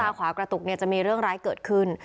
ขวากระตุกจะมีเรื่องร้ายเกิดขึ้น